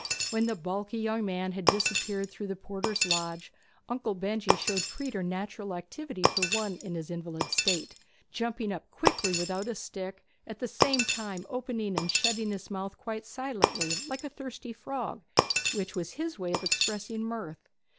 When the bulky young man had disappeared through the porter's lodge, Uncle Benjy showed preternatural activity for one in his invalid state, jumping up quickly without his stick, at the same time opening and shutting his mouth quite silently like a thirsty frog, which was his way of expressing mirth.